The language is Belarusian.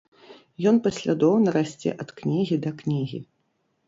Ён паслядоўна расце ад кнігі да кнігі.